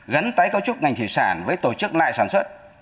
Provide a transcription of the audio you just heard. gắn tái cấu trúc ngành thủy sản với tổ chức lại sản xuất